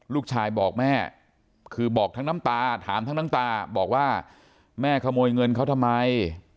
ลูกชายบอกแม่คือบอกทั้งน้ำตาถามทั้งน้ำตาบอกว่าแม่ขโมยเงินเขาทำไม